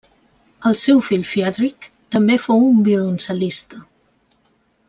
El seu fill Friedrich també fou un violoncel·lista.